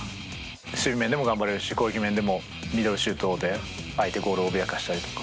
守備でも頑張れるし攻撃面でもミドルシュートで相手ゴールを脅かしたりとか。